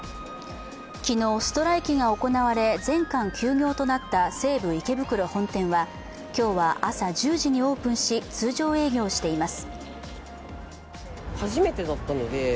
昨日、ストライキが行われ全館休業となった西武池袋本店は今日は朝１０時にオープンし通常営業しています。